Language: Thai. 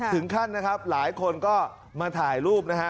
ถึงขั้นนะครับหลายคนก็มาถ่ายรูปนะฮะ